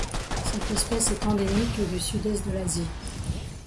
Cette espèce est endémique du Sud-Est de l'Asie.